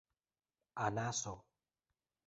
anaso